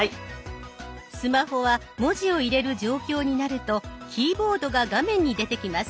スマホは文字を入れる状況になるとキーボードが画面に出てきます。